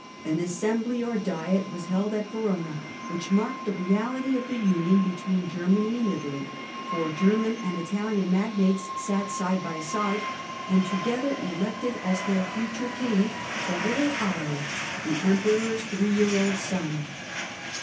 An Assembly, or Diet, was held at Verona, which marked the reality of the union between Germany and Italy, for German and Italian magnates sat side by side, and together elected as their future king the little Otto, the Emperor's three year old son.